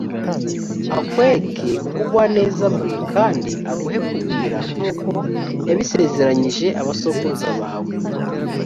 akwereke ubugwaneza bwe, kandi aguhe kugwira nk’uko yabisezeranyije abasokuruza bawe